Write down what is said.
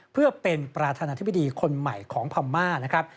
เพื่อเป็นประธานาธิบดีคนใหม่ของพม่านะครับ